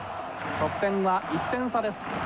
得点は１点差です。